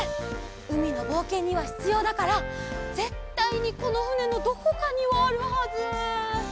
うみのぼうけんにはひつようだからぜったいにこのふねのどこかにはあるはず。